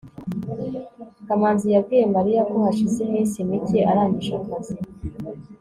kamanzi yabwiye mariya ko hashize iminsi mike arangije akazi